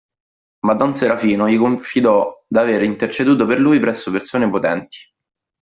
Ma don Serafino gli confidò d'aver interceduto per lui presso persone potenti.